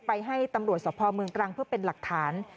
ไปให้ตำรวจสพมกรังเพื่อเป็นหลักฐาน